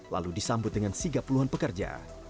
lalu disambut dengan tiga puluh an pekerja